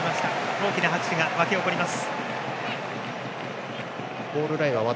大きな拍手が湧き起こります。